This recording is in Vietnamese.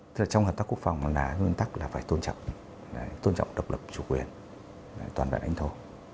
thế là trong hợp tác quốc phòng là nguyên tắc là phải tôn trọng độc lập chủ quyền toàn vẹn lãnh thổ